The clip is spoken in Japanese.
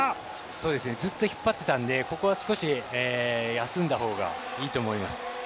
ずっと引っ張っていたのでここは少し休んだほうがいいと思います。